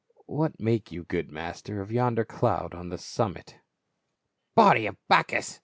" What make you, good master, of yonder cloud on the summit?" "Body of Bacchus